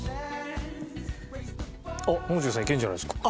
あっもう中さんいけるんじゃないですか？